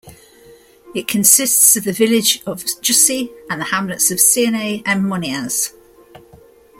It consists of the village of Jussy and the hamlets of Sionnet and Monniaz.